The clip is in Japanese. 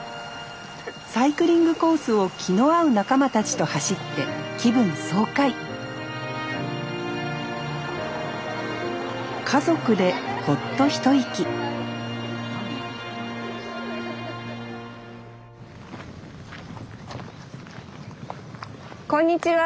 サイクリングコースを気の合う仲間たちと走って気分爽快家族でホッと一息こんにちは。